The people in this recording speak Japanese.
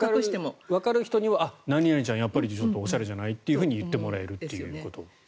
分かる人には何々ちゃんおしゃれじゃない？と言ってもらえるということ。